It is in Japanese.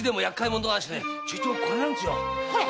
ちょいとコレなんですよ。